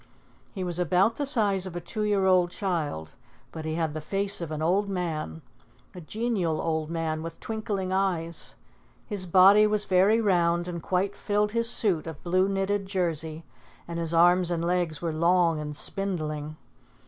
He was about the size of a two year old child, but he had the face of an old man, a genial old man with twinkling eyes. His body was very round and quite filled his suit of blue knitted jersey, and his arms and legs were long and spindling.